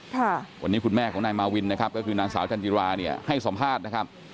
วันนี้คุณแม่ของนายมาวินที่คือนางสาวจันทรีย์วาให้สัมภาษณ์นะครับ